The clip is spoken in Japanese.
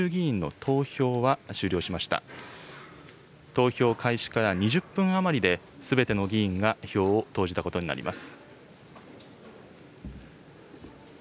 投票開始から２０分余りで、すべての議員が票を投じたことになります。